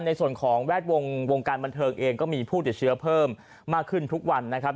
ในส่วนของแวดวงวงการบันเทิงเองก็มีผู้ติดเชื้อเพิ่มมากขึ้นทุกวันนะครับ